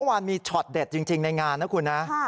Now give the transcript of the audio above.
เมื่อวานมีชอตเด็ดจริงในงานนะคุณนะ